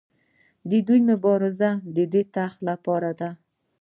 د دوی مبارزه یوازې د تخت لپاره ده.